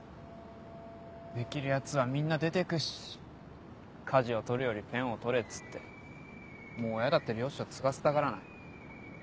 できるヤツはみんな出てくし「舵を取るよりペンを取れ」っつってもう親だって漁師を継がせたがらない。